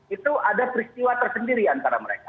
itu ada peristiwa tersendiri antara mereka